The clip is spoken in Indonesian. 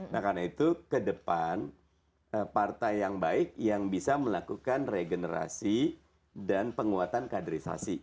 nah karena itu ke depan partai yang baik yang bisa melakukan regenerasi dan penguatan kaderisasi